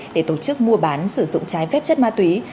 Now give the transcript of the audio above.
để tổ chức mua bán sử dụng trái phép chất ma túy